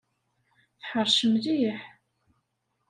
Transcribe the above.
Teḥṛec mliḥ.